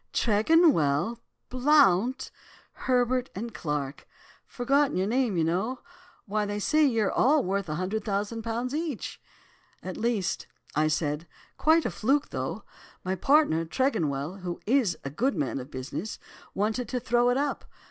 Tregonwell, Blount, Herbert and Clarke. Forgotten your name, you know. Why, they say you're all worth £100,000 each?' "'At least!' I said; 'quite a fluke, though. My partner, Tregonwell, who is a good man of business, wanted to throw it up.